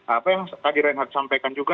apa yang tadi reinhard sampaikan juga